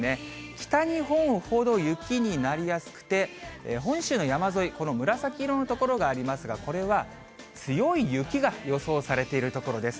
北日本ほど雪になりやすくて、本州の山沿い、この紫色の所がありますが、これは、強い雪が予想されている所です。